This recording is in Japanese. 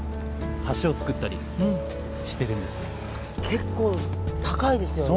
結構高いですよね。